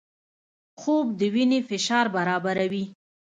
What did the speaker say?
خوب د وینې فشار برابروي